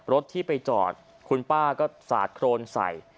รถที่ไปจอดคุณป้าก็สาดโครนใส่